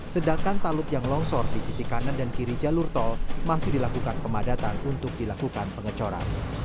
sedangkan talut yang longsor di sisi kanan dan kiri jalur tol masih dilakukan pemadatan untuk dilakukan pengecoran